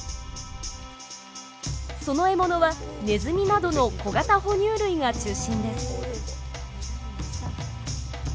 その獲物はネズミなどの小型ほ乳類が中心です。